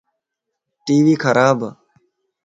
ٽي وي خراب